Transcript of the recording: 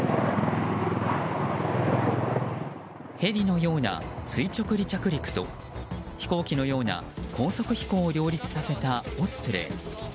ヘリのような垂直離着陸と飛行機のような高速飛行を両立させたオスプレイ。